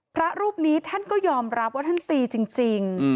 พระรูปนี้ท่านก็ยอมรับว่าท่านตีจริง